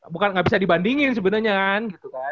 bukan gak bisa dibandingin sebenernya kan